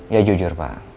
ya jujur pak